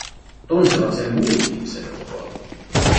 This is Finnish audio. Tunsivat sen muutkin, sen ukon.